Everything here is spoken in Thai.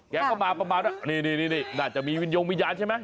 แกก็มาประมาณว่านี่น่าจะมีวิญญงวิญญาณใช่ไหม